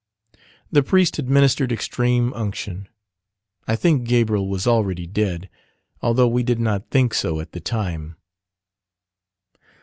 The priest administered extreme unction. I think Gabriel was already dead, although we did not think so at the time.